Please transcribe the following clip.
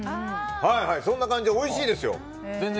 そんな感じでおいしいです。